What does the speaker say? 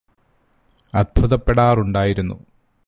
അത്ഭുതപ്പെടാറുണ്ടായിരുന്നു